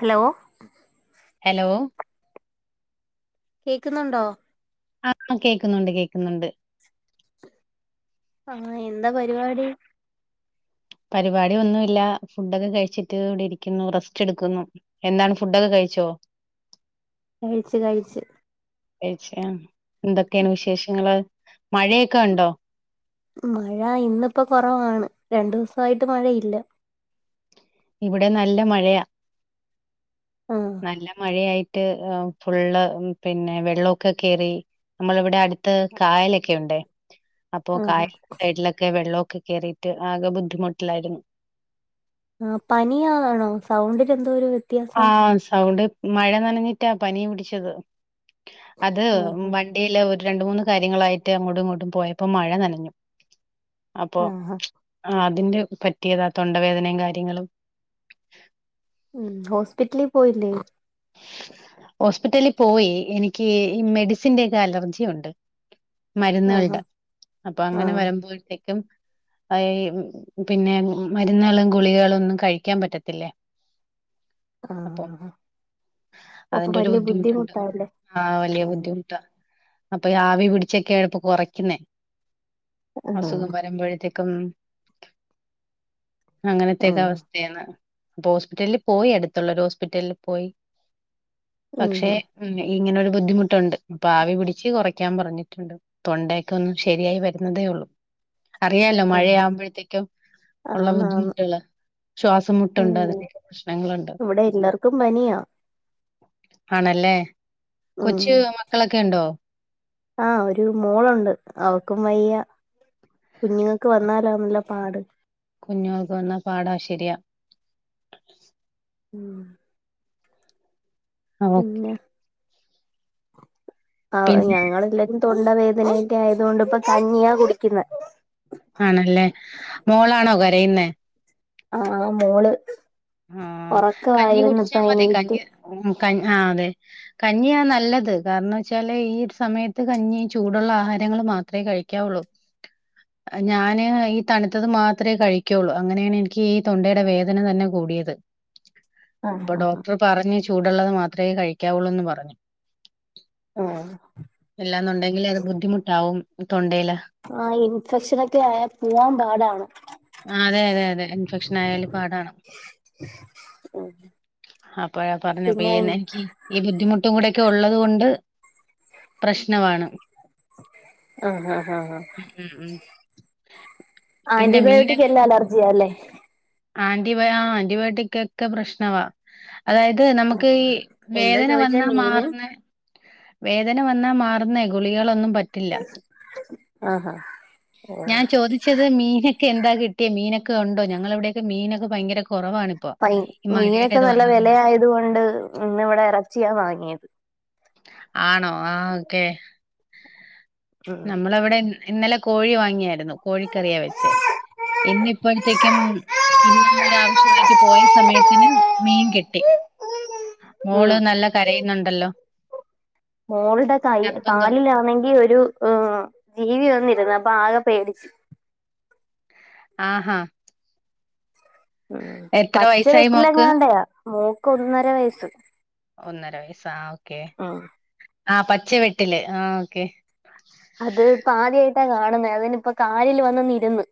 Hello hello കേക്കുന്നുണ്ടോ ആഹ് കേക്കുന്നുണ്ട് കേക്കുന്നുണ്ട് ആഹ് എന്താ പരിപാടി പരിപാടി ഒന്നുഇല്ല ഫുഡൊക്കെ കഴിച്ചിട്ട് ഇവിടെ ഇരിക്കുന്നു റസ്റ്റ് എടുക്കുന്നു എന്താണ് ഫുഡൊക്കെ കഴിച്ചോ കഴിച്ച് കഴിച്ച് കഴിച്ച് ആഹ് എന്തൊക്കെയാണ് വിശേഷങ്ങള് മഴയൊക്കെ ഇണ്ടോ മഴ ഇന്ന്പ്പൊകൊറവാണ് രണ്ടു ദിവസായിട്ട് മഴയില്ല ഇവിടെ നല്ല മഴയാ ആഹ് നല്ല മഴയായി ട്ട് ഏഹ് ഫുള്ള് പിന്നെ വെള്ളൊക്കെ കേറി നമ്മളെ ഇവടെ അടു ത്ത് കായലൊക്കെ ഉണ്ടെയ് അപ്പോ ആഹ് കായലിന്റെ സൈഡിലൊക്കെ വെള്ളൊക്കെ കേറി ട്ട് ആകെ ബുദ്ധിമുട്ടിലായിരുന്നു ആഹ് പനിയാണാണോ സൗണ്ടില് എന്തോ ഒരു വ്യ ആഹ്‌ സൗണ്ട് മഴ നനഞ്ഞിട്ടാ പനി പിടിച്ചത് അത് വ ആഹ് വണ്ടിയില് ഒരു രണ്ട്‌ മൂന്ന് കാര്യങ്ങളായിട്ട് അങ്ങോട്ടും ഇങ്ങോട്ടും പോയപ്പോ മഴ നനഞ്ഞു അപ്പൊ ആഹ് അതിന്റെ പറ്റിയതാ തൊണ്ടവേദനയും കാര്യങ്ങളും ഉം ഹോസ്പിറ്റലി പോയില്ലേ ഹോസ്പിറ്റലി പോയി എനിക്ക് ഈ മെഡിസിന്റെ ഒക്കെ അലർജി ഉണ്ട് ആഹ് മരുന്നുകൾടെ അപ്പൊ അങ്ങനെ ആഹ് വരുമ്പോഴത്തേക്കും അയ് പിന്നെ മരുന്നുകളും ഗുളികളും ഒന്നും കഴിക്കാൻ പറ്റത്തില്ലേ ആഹ് അപ്പൊ ആഹ് ആഹ്‌ ഓഹ് അപ്പൊ അതിന്റെ ഒരു വല്യ ബുദ്ധിമുട്ടാല്ലേ ആഹ് [unintelligible] ട്ടാ അപ്പൊയാവി പിടിച്ചൊക്കെയാണ്‌പ്പൊ കൊറയ്ക്ക്ന്നേ ആഹ് അസുഖം വരുമ്പഴത്തേക്കും അങ്ങനത്തെക്കെ ആഹ് അവസ്ഥയേന്ന് അപ്പൊ ഹോസ്പിറ്റലില് പോയി അടുത്തുള്ള ഒരു ഹോസ്പിറ്റലിൽ പോയി ഉം പക്ഷേ ഉം ഇങ്ങനെ ഒരു ബുദ്ധിമുട്ടുണ്ട് അപ്പൊ ആവി പിടിച്ച് കൊറയ്ക്കാൻ പറഞ്ഞിട്ടുണ്ട് തൊണ്ടയൊക്കെ ഒന്ന് ശരിയായി വരുന്നതേ ഉള്ളു അറിയാലോ ആഹ് മഴയാവുമ്പഴത്തേക്കും ഉള്ള ആന്നാന്ന് ബുദ്ധിമുട്ടുകള് ഉം ശ്വാസംമുട്ടുണ്ട് അതിനെയൊക്കെ പ്രശ്നങ്ങളുണ്ട് ഇവിടെ എല്ലാർ ക്കും പനിയാ ആണല്ലേ കൊച്ച് മക്കളൊക്കെ ഉണ്ടോ ആഹ്‌ ഒരു മോളുണ്ട് അവൾക്കും വയ്യ കുഞ്ഞുങ്ങൾക്ക് വന്നാലാണല്ലോ പാട് കുഞ്ഞുങ്ങൾക്ക് വന്ന പാടാ ശരിയാ ഉം ഓ, പിന്നെ അഹ് പിന്നെ ഞങ്ങളെല്ലരും തൊണ്ടവേദനൊക്കെ ആയതുകൊണ്ട് ഇപ്പ കഞ്ഞിയാ കുടിക്കുന്നെ ആണല്ലേ മോളാണോ കരയുന്നെ ആഹ്‌ മോള് ആഹ് കഞ്ഞി ഒറക്കവായിരുന്നു കുടിച്ചാ ഇപ്പ മതി എണീറ്റ് കഞ്ഞി ഉം കഞ് ആഹ് അതെ കഞ്ഞിയാ നല്ലത് കാരണം വച്ചാല് ഈ സമയത്ത് കഞ്ഞി ചൂടുള്ള ആഹാരങ്ങൾ മാത്രേ കഴിക്കാവുള്ളൂ ഞാന് ഈ തണുത്തത് മാത്രേ കഴിക്കുള്ളൂ അങ്ങനെയാണ് എനിക്ക് ഈ തൊണ്ടയുടെ വേദന തന്നെ കൂടിയത് അപ്പൊ ആഹ് ഡോക്ടർ പറഞ്ഞു ചൂടുള്ളത് മാത്രേ കഴിക്കാവുള്ളൂന്ന് പറഞ്ഞു ആഹ്‌ എല്ലാന്നുണ്ടെങ്കിൽ അത് ബുദ്ധിമുട്ടാാവും തൊണ്ടയിൽ ആഹ് ഇൻഫെക്ഷനൊക്കെ ആയാൽ പോവാൻ പാടാണ് ആഹ് അതെ അതെ അതെ ഇൻഫെക്ഷൻ ആയാല് പാടാണ് അപ്പഴ പറഞ്ഞപ്പ പിന്നെ എനിക്ക് ഈ ബുദ്ധിമുട്ടും കൂടിയൊക്കെ ഉള്ളത് കൊണ്ട് പ്രശ്നമാണ് ആഹ് ആഹ് ആഹ് ഉം ഉം ഉം പിന്നെ ആൻ്റിബയോ മീന് എല്ലാം അലർജിയ അല്ലേ ആന്റിബയ ആന്റിബയോട്ടിക്ക് ഒക്കെ പ്രശ്നവാ അതായത് നമുക്ക് ഈ എന്താ വേദന ചോദിച്ചേ വന്നാൽ മീന് മാറുന്ന വേദന വന്നാ മാറുന്നേ ഗുളിക കളൊന്നും പറ്റില്ല ആ ഹാ ഞാൻ ചോദിച്ചു പക്ഷച്ചത് മീനൊക്കെ എന്താ കിട്ടിയാ മീനൊക്കെ ഉണ്ടോ ഞങ്ങളവിടെയൊക്കെ മീനൊക്കെ ദയങ്കര കുറവാണ് മീനൊക്കെ നല്ല വില ആയത് കൊണ്ട് ഇന്ന് ഇവിടെ ഇറച്ചിയാ വാങ്ങിയത് ആണോ ആഹ് ഓക്കെ ഉം നമ്മളവിടെ ഇന്നലെ കോഴി വാങ്ങിയായിരുന്നു കോഴിക്കറിയ വെച്ചേ എന്നിപ്പോഴത്തേക്കും ഇന്ന് ഒരാവശ്യമായിട്ട് പോയ സമയത്തിന് മീൻ കിട്ടി ഉം മോള് നല്ലോം കരയുന്നുണ്ടല്ലോ മോളുടെ കൈ നിർബന്ധം കാലിലാണെങ്കി ഒരു ജീവി വന്നിരുന്നു അപ്പൊ ആകെ പേടിച്ചു ആഹാ ഉം എത്ര പച്ച വയസ്സായി മോക്ക് വെട്ടിലങ്ങാണ്ടയാ മോക്ക് ഒന്നര വയസ്സ് ഒന്നര വയസ്സാ ഓക്കേ ആഹ് ആഹ് പച്ച വെട്ടില് ആഹ് ഓക്കെ അത്പ്പ ആദ്യായിട്ടാ കാണുന്നത് അതിനിപ്പോ കാലിൽ വന്ന് ഇരുന്ന്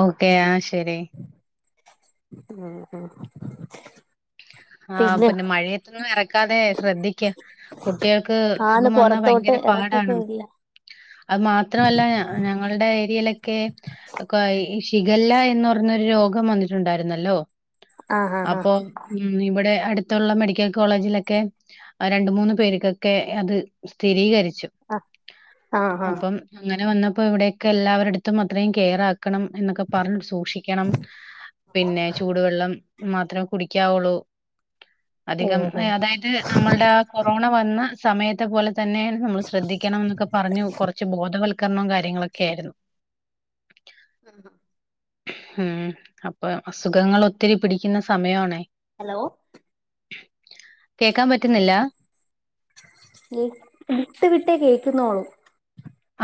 ഓക്കേ ആഹ് ശെരി ഉം ഉം ആഹ് പിന്നെ മഴയത്തന്നും ഇറക്കാതെ ശ്രദ്ധിക്ക കുട്ടികൾക്ക് ആന്ന് അസുഖം വന്നാ പൊറത്തോട്ട് ഭയങ്കര എറക്കൊക്കെ പാടാണ് ഇല്ല അത് മാത്രല്ല ഞങ്ങളുടെ ഏരിയയിലൊക്കെ ശിഖല്ല എന്ന് പറഞ്ഞൊരു രോഗം വന്നിട്ടുണ്ടായിരുന്നല്ലോ ആഹ് ആഹ് അപ്പൊ ഉം ഇവിടെ അടുത്തുള്ള മെഡിക്കൽ കോളേജിലൊക്കെ രണ്ട് മൂന്ന് പേർക്കൊക്കെ അത് സ്ഥിരീകരിച്ചു ആഹ് ആഹ് ആഹ് ആഹ് അപ്പം അങ്ങനെ വന്നപ്പോ ഇവിടെൊക്കെ എല്ലാവരുടുത്തും അത്രയും കെയറ് ആക്കും ണം എന്നൊക്കെ പറഞ്ഞ് സൂക്ഷിക്കണം പിന്നെ ചൂടുവെള്ളം മാത്രമേ കുടിക്കാവുള്ളൂ അധികം ഓഹോ അതായത് നമ്മളുടെ കൊറോണ വന്ന സമയത്തെ പോലെ തന്നെ നമ്മൾ ശ്രദ്ധിക്കണം എന്നൊക്കെ പറഞ്ഞു കുറച്ച് ബോധവത്ക്കരണം വൽക്കരണവും കാര്യങ്ങളൊക്കെ ആയിരുന്നു ആഹ് ഉം അപ്പൊ അസുഖങ്ങള് ഒത്തിരി പിടിക്കുന്ന സമയമാണേ ഹലോ കേക്കാൻ പറ്റുന്നില്ല വിട്ട് വിട്ടേ കേൾക്കുന്നോളൂ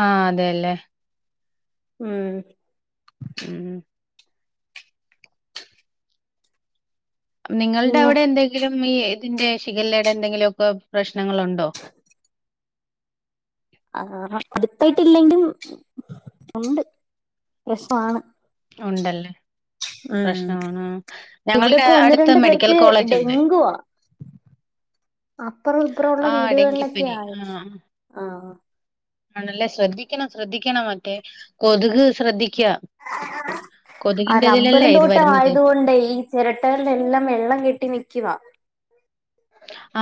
ആഹ് അതെല്ലേ ഉം ഉം നിങ്ങളുടെ പിന്നെ അവിടെ എന്തെങ്കിലും ഈ ഇതിന്റെ ശിഖലയുടെ എന്തെങ്കിലുമൊക്കെ പ്രശ്നങ്ങളുണ്ടോ ആഹ് അടുത്തായിട്ടില്ലെങ്കും ഉണ്ട് പ്രശ്‌നമാണ് ഉണ്ടല്ലേ പ്രശ്നമാണ് ഇവിടെ ഞങ്ങളുടെ ഇപ്പോ ഒന്ന് അടുത്ത രണ്ട് മെഡിക്കൽ പേർക്ക് കോളേജ് ഉണ്ട് അപ്പറം ഇപ്പുറം ഉള്ള ആഹ് വീടുകളിലൊക്കെ ഡെങ്കിപ്പനി ആണ് ആഹ് ആഹ് ആണല്ലേ ശ്രദ്ധിക്കണം ശ്രദ്ധിക്കണം മറ്റേ കൊതുക് ശ്രദ്ധിക്ക ആഹ് കൊതുകിന്റെതിലല്ലേ റബറും ഇത് തോട്ട വരുന്നത്. ആയതുകൊണ്ടേയ് ചിരട്ടകളുടെ എല്ലാം വെള്ളം കെട്ടി നിൽക്കവാ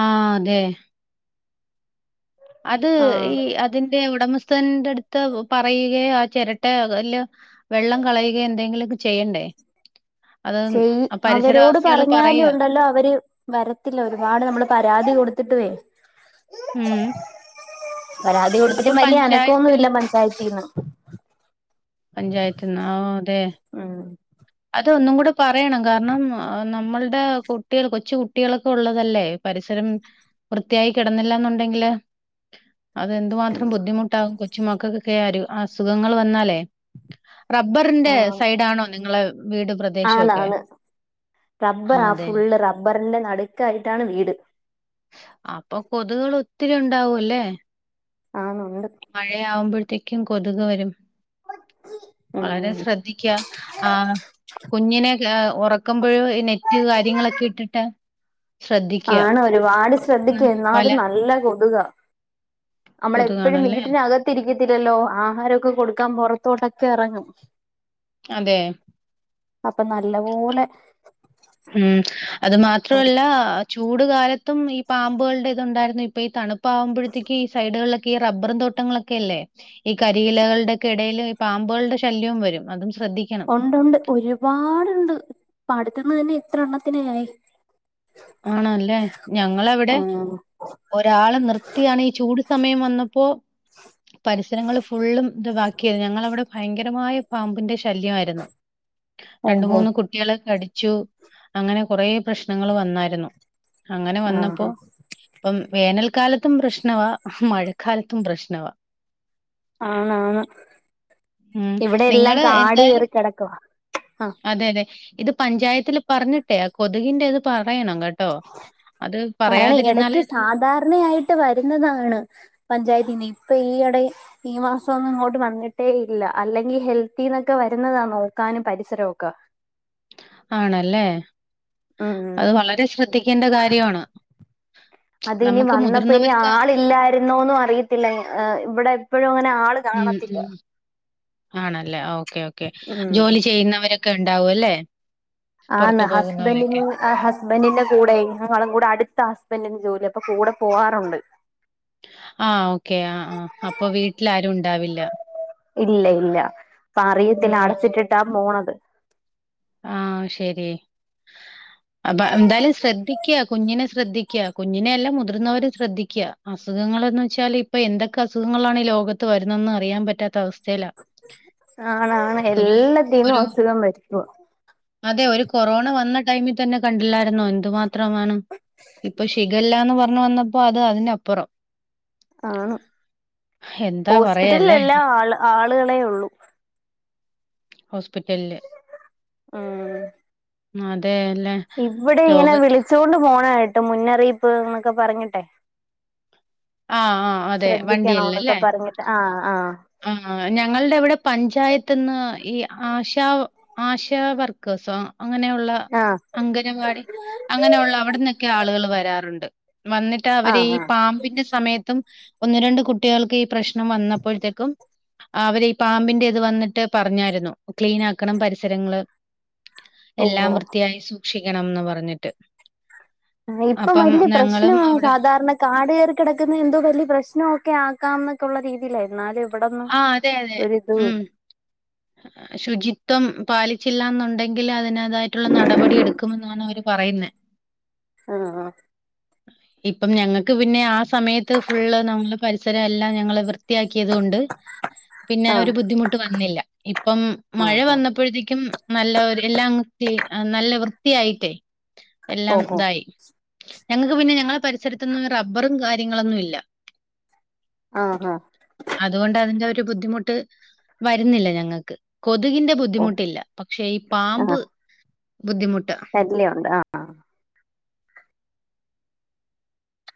ആഹ് അതെ അത് ആഹ് ഈ അതിന്റെ ഉടമസ്ഥൻന്റെ അടുത്ത് പറയുകയോ ആ ചിരട്ട വല്ലോ വെള്ളം കളയുക എന്തെങ്കിലൊക്കെ ചെയ്യണ്ടേ അത് ചെയ് അവരോട് പരിസരവാസികള് പറയാ. പറഞ്ഞാലുണ്ടല്ലോ അവര് വരത്തില്ല ഒരുപാട് നമ്മള് പരാതി കൊടുത്തിട്ടുവേ ഉം പരാതി അപ്പൊ കൊടുത്തിട്ടും വലിയ പഞ്ചായത്തില് അനക്കൊന്നുല്ല പഞ്ചായത്തീന്ന് പഞ്ചായത്ത്ന്ന് ആഹ് അതെ ഉം അതൊന്നും കൂടെ പറയണം കാരണം നമ്മളുടെ കുട്ടി കൊച്ചു കുട്ടികളൊക്കെ ഉള്ളതല്ലേ പരിസരം വൃത്തിയായി കിടന്നില്ലന്നുണ്ടെങ്കില് അതെന്ത് മാത്രം ബുദ്ധിമുട്ടാകും കൊച്ചു മക്കൾക്കൊക്കെ ആ ഒരു അസുഖങ്ങൾ വന്നാലേ റബ്ബറിന്റെ സൈഡ് ആണോ നിങ്ങളെ വീട് ആണ് പ്രദേശമൊക്കെ? ആണ് ആ റബ്ബറാ അതെ. ഫുള്ള് റബ്ബറിന്റെ നടുക്കായിട്ടാണ് വീട് അപ്പൊ കൊതുക്കൾ ഒത്തിരി ഉണ്ടാവും അല്ലേ ആണു ണ്ട് മഴയാവുമ്പോഴത്തേക്കും കൊതുക് വരും ഉം വളരെ ഉം ശ്രദ്ധിക്ക ആഹ് കുഞ്ഞിനെ ഉറക്കുമ്പോഴോ നെറ്റ് കാര്യങ്ങളൊക്കെ ഇട്ടിട്ട് ശ്രദ്ധിക്കുക ആണ് ഒരുപാട് ഉറക്കുന്ന ശ്രദ്ധിക്ക് വല എന്നാലും നല്ല കൊതുക നമ്മളപ്പോഴും കൊതുകാണല്ലേ വീട്ടിനകത്തിരിക്കത്തില്ലല്ലോ ആഹാരൊക്കെ കൊടുക്കാൻ പൊറത്തോട്ടൊക്കെ ഇറങ്ങും അതെ അപ്പൊ നല്ല പോലെ ഉം അത് മാത്രല്ല ബാധിക്കും ചൂട് കാലത്തും ഈ പാമ്പുകളുടെ ഉണ്ടായിരുന്നു. ഇപ്പ ഈ തണുപ്പാവുമ്പോഴത്തേക്ക് ഈ സൈഡുകളിലൊക്കെ ഈ റബ്ബറും തോട്ടങ്ങളൊക്കെ അല്ലേ ഈ കരിയിലകളുടെ ഒക്കെ ഇടയിൽ ഈ പാമ്പുകളുടെ ശല്യവും വരും അതും ശ്രദ്ധിക്കണം. ഉണ്ടണ്ട് ഒരുപാടുണ്ട് ഇപ്പടുത്ത്ന്ന് തന്നെ എത്ര എണ്ണത്തിനെയായി ആണല്ലേ ഞങ്ങളവിടെ ആഹ് ഒരാള് നിർത്തിയാണ് ഈ ചൂട് സമയം വന്നപ്പോ പരിസരങ്ങള് ഫുള്ളും ഇതാക്കിയത് ഞങ്ങളവിടെ ഭയങ്കരമായ പാമ്പിന്റെ ശല്യമായിരുന്നു രണ്ട് ഓഹോ മൂന്ന് കു കുട്ടികളെ കടിച്ചു അങ്ങനെ കൊറേ പ്രശ്നങ്ങൾ വന്നായിരുന്നു അങ്ങനെ വന്നപ്പോ ആഹ് പ്പം വേനൽക്കാലത്തും പ്രശ്നവാ മഴക്കാലത്തും പ്രശ്നവാ ആന്ന് ആന്ന് ഉം. ഇവിടെ എല്ലാം നിങ്ങള് കാട് എന്തായാലും കേറി കെടക്കുവാ അതെ ല്ലെ ഇത് പഞ്ചായത്തില് പറഞ്ഞിട്ടേ കൊതുകിൻ്റെ ഇത് പറയണം കേ ട്ടോ അത് പറയാതിരുന്നാല് അത് ണയായിട്ട് വരുന്നതാണ് പഞ്ചായത്തിന്ന് ഇപ്പൊ ഈയിടെ ഈ മാസം ഇങ്ങോട്ട് വന്നിട്ടേ ഇല്ല അല്ലെങ്കിൽ ഹെൽത്തിന്നൊക്കെ വരുന്നതാ നോക്കാനും പരിസരവൊക്കെ ആണല്ലേ ഉം അത് വളരെ ശ്രദ്ധിക്കേണ്ട കാര്യവാണ് അത് ഇനി വന്നപ്പോ ഇനി ആളില്ലായിരുന്നോന്നും അറിയത്തില്ല ഏ ഇവിടെ എപ്പോഴും അങ്ങനെ ആൾ ഉം ഉം ആണല്ലേ ഓക്കെ ഓക്കെ ഉം ജോലി ചെയ്യുന്നവരൊ ക്കെ ഇണ്ടാവും അല്ലേ ആന്ന് പുറത്തു പോകുന്നവരൊക്കെ. ഹസ്ബെൻഡിന് ആഹ് ഹസ്ബൻ്റിന്റെ കൂടെയ് ഞങ്ങളും കൂടെ അടുത്ത ഹസ്ബൻ്റിന്റെ ജോലി അപ്പ കൂടെ പോവാറുണ്ട് ആഹ് ഓക്കെ ആ ആ അപ്പൊ വീട്ടിൽ ആരും ഉണ്ടാവില്ല ല്ല അപ്പ ഉം, അറിയത്തില്ല ഉം. അടച്ചിട്ടിട്ടാ പോണത് ആഹ് ശരി അപ്പൊ എന്തായാലും ശ്രദ്ധിക്കാ കുഞ്ഞിനെ ശ്രദ്ധിക്ക കുഞ്ഞിനെല്ല എല്ലാം മുതിർന്നവരും ശ്രദ്ധിക്ക അസുഖങ്ങള്ന്ന് വെച്ചാൽ ഇപ്പൊ എന്തൊക്കെ അസുഖങ്ങളാണ് ഈ ലോകത്ത് വരുന്നതെന്ന് അറിയാൻ പറ്റാത്ത അവസ്ഥയിലാ ആണ് ആണ് ഒരു എല്ലാതീന്നും ഒരു അസുഖം വ രുത്തും അതെ ഒരു കൊറോണ വന്ന് ടൈമിൽ തന്നെ കണ്ടില്ലായിരുന്നോ എന്തു മാത്രമാണ് ഇപ്പ ശിഖല്ലാന്ന് പറഞ്ഞു വന്നപ്പോ അത് അതിനപ്പു പ്പുറം ആണ് പറയാ ഹോസ്പിറ്റലിൽ അല്ലേ എല്ലാ ആൾ ആളുകളെ ഒള്ളൂ ഹോസ്പിറ്റലില് ഉം അതെ യലെ ഇവിടെ ഇങ്ങനെ വിളിച്ചോണ്ട് പോണെ കേട്ട് മുന്നറിയിപ്പ് ന്നൊക്കെ പറഞ്ഞിട്ടെ ആഹ് ആഹ് ശ്രദ്ധിക്കണം ന്നൊക്കെ പറഞ്ഞിട്ട് ആഹ് ആഹ് ആ ആ ഞങ്ങളുടെ ഇവിടെ പഞ്ചായത്ത്ന്ന് ഈ ആശാ ആശ വർക്കേഴ്സോ അങ്ങനെയുള്ള ആഹ് അംഗനവാടി അങ്ങനെയുള്ള അവിട് ന്നൊ ക്കെ ആളുകൾ വരാറുണ്ട് വന്നിട്ട് ആഹ് അവര് ഈ ആഹ് പാമ്പിന്റെ സ് സമയത്തും ഒന്ന് രണ്ട് കുട്ടികൾക്ക് ഈ പ്രശ്നം വന്നപ്പോഴ് ത്തേക്കും അവര് ഈ പാമ്പിന്റെ ഇത് വന്നിട്ട് പറഞ്ഞായിരുന്നു ക്ലീനാക്കണം പരിസരങ്ങള് ഓഹോ എല്ലാം വൃത്തിയായി സൂക്ഷിക്കണംന്ന് പറഞ്ഞിട്ട് മെയ് പ്പ അപ്പം വല്യാ ഞങ്ങളും പ്രശ്നമാ അവിടെ സാധാരണ കാടു കേറി കിടക്കുന്ന എന്തോ വല്യ പ്രശ്ണക്കെ ആക്കാം ന്നൊക്കെള്ള രീതിയിലായി ന്നാലും ഇവിടെന്നും ആ ഒരിത് വീണ് ഏഹ് ശുചിത്വം പാലിച്ചില്ല ന്നുണ്ടെങ്കിൽ അതിനക തായിട്ടുള്ള നടപടി എടുക്കുമെന്നാണ് അവര് പറയുന്നെ ആഹ് ആഹ് ഇപ്പം ഞങ്ങക്ക് പിന്നെ ആ സമയത്ത് ഫുള്ള് നമ്മളെ പരിസരം എല്ലാം ഞങ്ങള് വൃത്തിയാക്കിയത്കൊണ്ട് പിന്നെ ആഹ് ഒരു ബുദ്ധിമുട്ട് വന്നില്ല ഇപ്പം മഴ ആഹ് ആഹ് വന്നപ്പോഴത്തേക്കും നല്ല ഒര് എല്ലാം ക്ലീൻ നല്ല വൃത്തിയായിട്ടേ എല്ലാം ഓഹോ തായി ഞങ്ങക്ക് പിന്നെ ഞങ്ങളെ പരിസരത്തൊന്നും റബ്ബറും കാര്യങ്ങളൊന്നും ഇല്ല ആഹ് ആഹ് അതുകൊണ്ട് അതിന്റെ ഒരു ബുദ്ധിമുട്ട് വരുന്നില്ല ഞങ്ങക്ക് കൊതുകിന്റെ ഓഹ് ബുദ്ധിമുട്ടില്ല പക്ഷെ ഈ പാമ്പ് ബുദ്ധിമുട്ടാ ശല്യ ഉണ്ട് ആഹ്